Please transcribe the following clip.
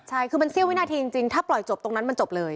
ใช่คือมันเสี้ยววินาทีจริงถ้าปล่อยจบตรงนั้นมันจบเลย